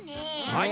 はい。